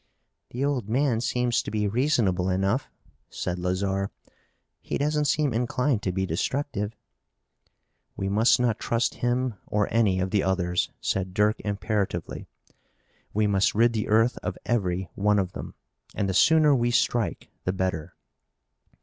"The old man seems to be reasonable enough," said Lazarre. "He doesn't seem inclined to be destructive." "We must not trust him or any of the others," said Dirk imperatively. "We must rid the earth of every one of them. And the sooner we strike the better!"